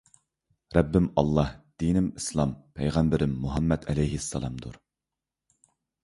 رەببىم ئاللاھ دىنىم ئىسلام پەيغەمبىرىم مۇھەممەد ئەلەيھىسسالام دۇر